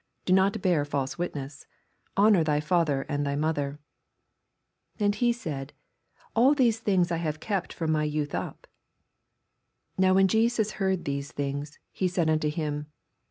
Do not bear false witness, Honor tny father and thy mother. 21 And he said. All these have I kept from my youth up. 22 Now when Jesus heard these things, he said unto him.